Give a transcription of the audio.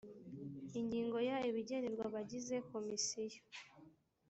ingingo ya ibigenerwa abagize komisiyo